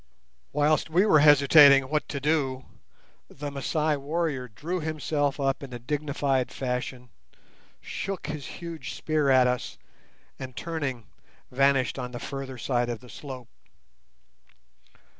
Whilst we were hesitating what to do, the Masai warrior drew himself up in a dignified fashion, shook his huge spear at us, and, turning, vanished on the further side of the slope.